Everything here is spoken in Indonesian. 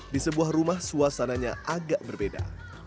di sebuah rumah suasananya agak berbeda